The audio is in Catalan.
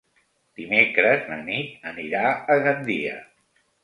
Dimecres na Nit anirà a Gandia.